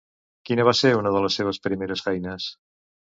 Quina va ser una de les seves primeres feines?